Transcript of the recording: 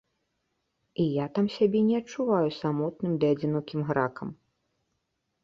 І я там сябе не адчуваю самотным ды адзінокім гракам.